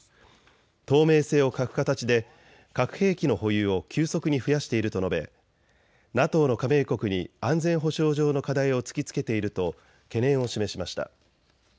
透明性を欠く形で核兵器の保有を急速に増やしていると述べ、ＮＡＴＯの加盟国に安全保障上の課題を突きつけていると懸念を示しました。